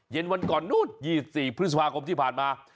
เย็นวันก่อนนู้น๒๔พฤษภาคมที่ผ่านมา